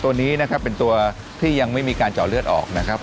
ตัวนี้นะครับเป็นตัวที่ยังไม่มีการเจาะเลือดออกนะครับ